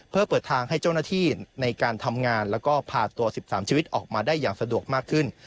เพื่อเปิดทางให้เจ้าหน้าที่ในการทำงานแล้วก็พาตัว๑๓ชีวิตออกมาได้อย่างสะดวกมากขึ้น